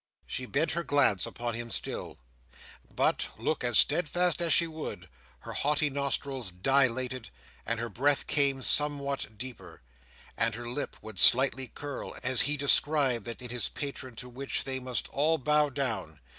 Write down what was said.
She bent her glance upon him still; but, look as steadfast as she would, her haughty nostrils dilated, and her breath came somewhat deeper, and her lip would slightly curl, as he described that in his patron to which they must all bow down.